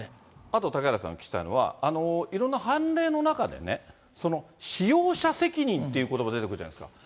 あと嵩原さんに聞きたいのは、いろんな判例の中で、使用者責任っていうことばが出てくるじゃないですか。